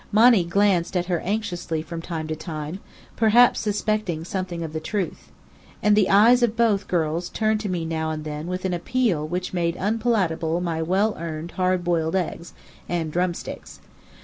Monny glanced at her anxiously from time to time, perhaps suspecting something of the truth. And the eyes of both, girls turned to me now and then with an appeal which made unpalatable my well earned hard boiled eggs, and drumsticks.